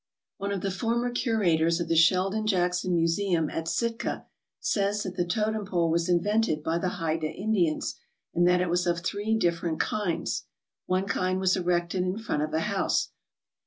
One of the former curators of the Sheldon Jackson Museum at Sitka says that the totem pole was invented by the Hydah Indians, and that it was of three different kinds. One kind was erected in front of a house.